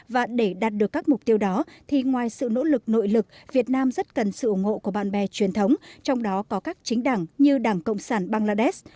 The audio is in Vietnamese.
và để đạt được các mục tiêu đó thì ngoài sự nỗ lực nội lực việt nam rất cần sự ủng hộ của bạn bè truyền thống trong đó có các chính đảng như đảng cộng sản bangladesh